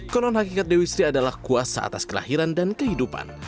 konon hakikat dewi sri adalah kuasa atas kelahiran dan kehidupan